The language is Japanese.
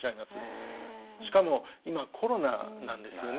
しかも今コロナなんですよね。